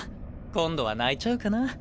今度は泣いちゃうかな